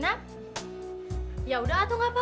apa tuh apa